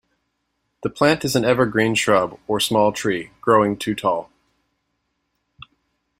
The plant is an evergreen shrub or small tree, growing to tall.